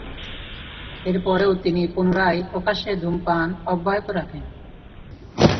এরপরেও তিনি পুনরায় প্রকাশ্যে ধূমপান অব্যহত রাখেন।